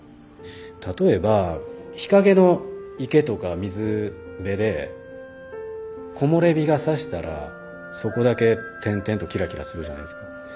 例えば日陰の池とか水辺で木漏れ日がさしたらそこだけ点々とキラキラするじゃないですか。